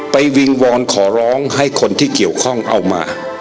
วิงวอนขอร้องให้คนที่เกี่ยวข้องเอามา